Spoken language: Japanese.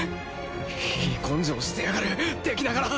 いい根性してやがる敵ながら。